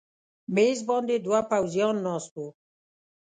مېز باندې دوه پوځیان ناست و.